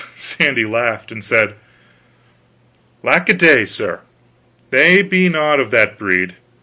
Sandy laughed, and said: "Lack a day, sir, they be not of that breed!